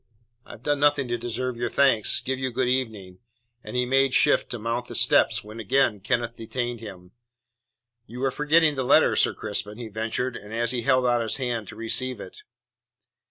"I have done nothing to deserve your thanks. Give you good evening." And he made shift to mount the steps when again Kenneth detained him. "You are forgetting the letter, Sir Crispin," he ventured, and he held out his hand to receive it.